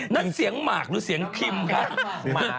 นั่นเสียงหมากหรือเสียงคิมคะ